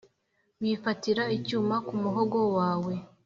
wifatira icyuma ku muhogo wawe